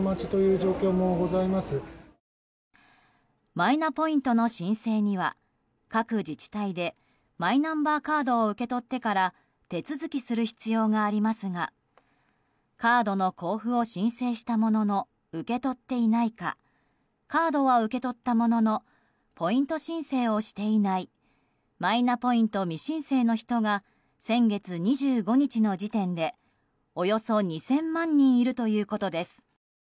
マイナポイントの申請には各自治体でマイナンバーカードを受け取ってから手続きする必要がありますがカードの交付を申請したものの受け取っていないかカードは受け取ったもののポイント申請をしていないマイナポイント未申請の人が先月２５日の時点でおよそ２０００万人いるということです。